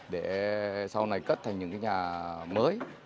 để sau này cất thành những cái nhà mới